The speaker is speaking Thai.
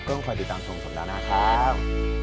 ก็ควรติดตามชมสัปดาห์หน้าครับ